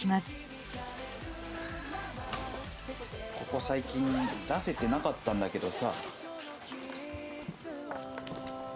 ここ最近出せてなかったんだけどさ。